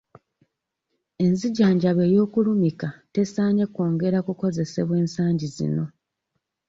Enzijanjaba ey'okulumika tesaanye kwongera kukozesebwa ensangi zino.